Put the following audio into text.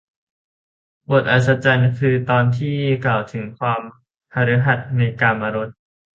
บทอัศจรรย์ คือตอนที่กล่าวถึงความหฤหรรษ์ในกามรส